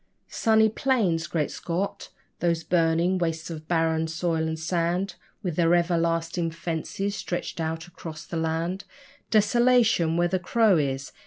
'Sunny plains'! Great Scott! those burning wastes of barren soil and sand With their everlasting fences stretching out across the land! Desolation where the crow is!